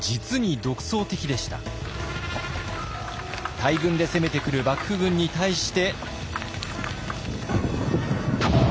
大軍で攻めてくる幕府軍に対して。